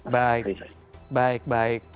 baik baik baik